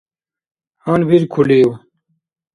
- Гьанбиркулив?